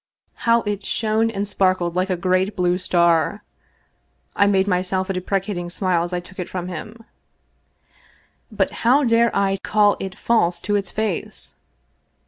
How it shone and sparkled like a great blue star! I made myself a deprecating smile as I took it from him, but how dare I call it false to its face